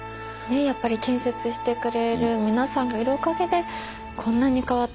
やっぱり建設してくれる皆さんがいるおかげでこんなに変わって。